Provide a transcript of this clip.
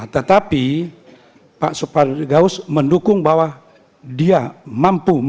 tetapi pak supadigaus mendukung bahwa dia mampu